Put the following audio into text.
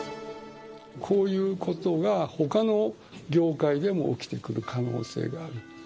こういうことがほかの業界でも起きてくる可能性がある。